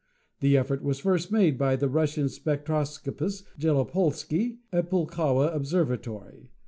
The effort was first made by the Russian spectroscopist, Bjelopolsky, at the Pulkowa ob servatory.